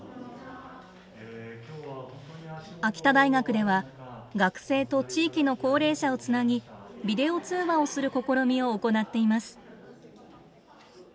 秋田大学では学生と地域の高齢者をつなぎビデオ通話をする試みを行っています。